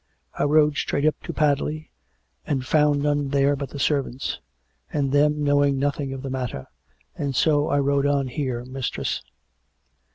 ... I rode straight up to Padley, and found none there but the servants, and them knowing nothing of the matter. And so I rode on here, mistress."